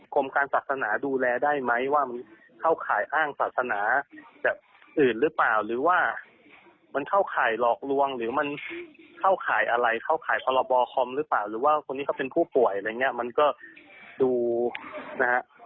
กรมการศาสนาดูแลได้ไหมว่ามันเข้าข่ายอ้างศาสนาแบบอื่นหรือเปล่าหรือว่ามันเข้าข่ายหลอกลวงหรือมันเข้าข่ายอะไรเข้าข่ายพรบคอมหรือเปล่าหรือว่าคนที่เขาเป็นผู้ป่วยอะไรอย่างเงี้ยมันก็ดูนะฮะ